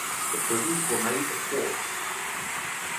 The prisms were made of quartz.